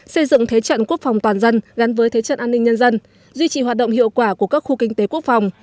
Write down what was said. xây dựng thế trận quốc phòng toàn dân gắn với thế trận an ninh nhân dân duy trì hoạt động hiệu quả của các khu kinh tế quốc phòng